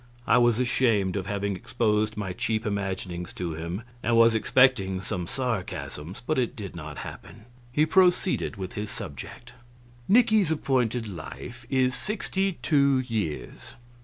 I was ashamed of having exposed my cheap imaginings to him, and was expecting some sarcasms, but it did not happen. He proceeded with his subject: "Nicky's appointed life is sixty two years."